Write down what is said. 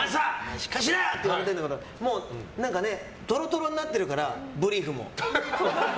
しっかりしろよ！とか言われてるんだけどもう何かトロトロになってるからブリーフも。